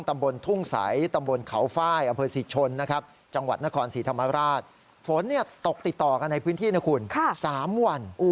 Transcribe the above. มันโอ้วมันโอ้ว